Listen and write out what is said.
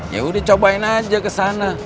ya udah cobain aja kesana